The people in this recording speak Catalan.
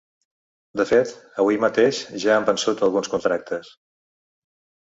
De fet, avui mateix ja han vençut alguns contractes.